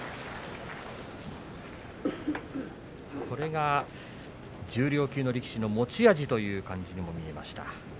これが重量級の力士の持ち味という感じにも見えました。